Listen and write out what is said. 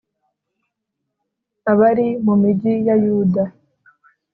abari mu migi ya Yuda.